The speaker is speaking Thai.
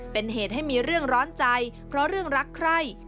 เป็นเหตุให้มีเรื่องร้อนใจเพราะเรื่องรักใคร